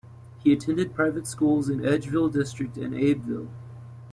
He attended private schools in the Edgefield District and at Abbeville.